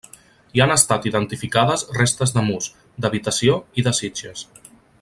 Hi han estat identificades restes de murs, d'habitació i de sitges.